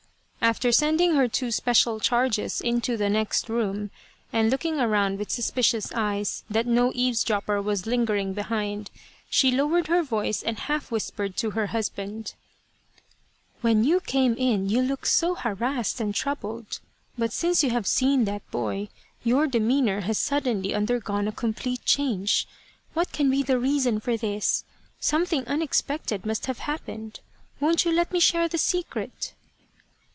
" After sending her two special charges into the next room, and looking around with suspicious eyes that no eavesdropper was lingering behind, she lowered her voice and half whispered to her husband :" When you came in you looked so harassed and troubled, but since you have seen that boy, your de meanour has suddenly undergone a complete change. What can be the reason for this ? Something un expected must have happened ! Won't you let me share the secret